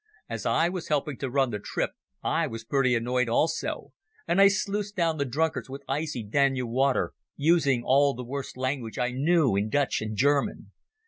As I was helping to run the trip I was pretty annoyed also, and I sluiced down the drunkards with icy Danube water, using all the worst language I knew in Dutch and German.